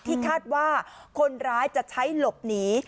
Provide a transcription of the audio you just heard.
คาดว่าคนร้ายจะใช้หลบหนี